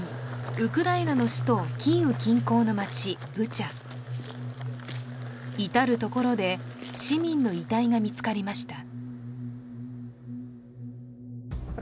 ウクライナの首都キーウ近郊の町ブチャ至る所で市民の遺体が見つかりました